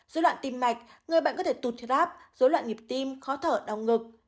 dối loạn tim mạch người bệnh có thể tụt áp dối loạn nhịp tim khó thở đau ngực